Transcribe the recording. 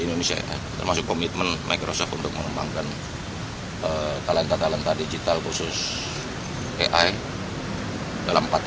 indonesia termasuk komitmen microsoft untuk mengembangkan talenta talenta digital khusus ai dalam empat